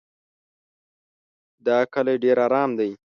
دا کلی ډېر ارام دی.